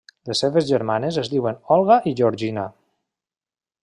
Les seves germanes es diuen Olga i Georgina.